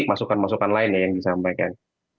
masukan masukan lain ya yang disampaikan